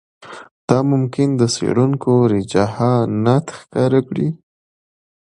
دا ممکن د څېړونکو رجحانات ښکاره کړي